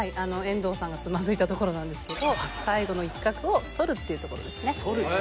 遠藤さんがつまずいたところなんですけど最後の１画を反るっていうところですね。